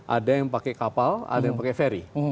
ada yang pakai kapal ada yang pakai ferry